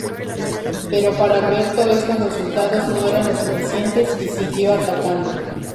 Pero para Alberto estos resultados no eran los suficientes, y siguió atacando.